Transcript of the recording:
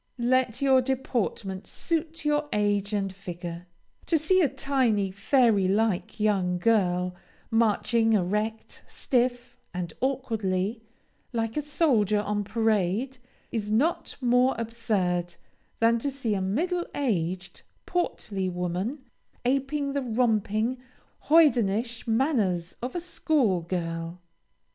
Let your deportment suit your age and figure; to see a tiny, fairy like young girl, marching erect, stiff, and awkwardly, like a soldier on parade, is not more absurd than to see a middle aged, portly woman, aping the romping, hoydenish manners of a school girl.